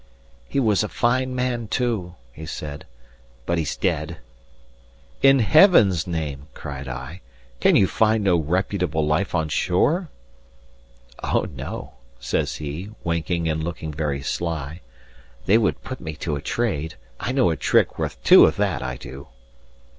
"He was a fine man, too," he said, "but he's dead." "In Heaven's name," cried I, "can you find no reputable life on shore?" "O, no," says he, winking and looking very sly, "they would put me to a trade. I know a trick worth two of that, I do!"